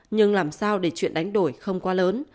nhưng làm sao để chuyện đánh đổi không quá lớn